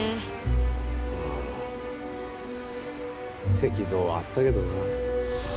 石像はあったけどな。